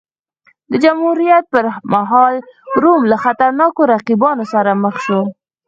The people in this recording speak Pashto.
د جمهوریت پرمهال روم له خطرناکو رقیبانو سره مخ شو.